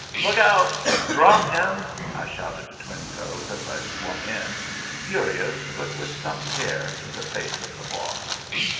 "Look out! Drop him!" I shouted to Twinetoes as I swung in, furious but with some care, to the face of the Boss.